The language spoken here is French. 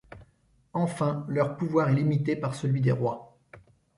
Enfin, leur pouvoir est limité par celui des rois.